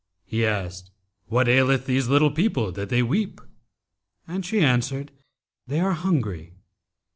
He asked, 'What aileth these little people that they weep?'; and she answered, 'They are hungry.'